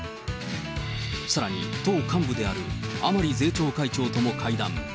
さらに、党幹部である甘利税調会長とも会談。